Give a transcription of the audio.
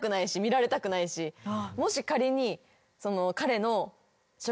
もし仮に。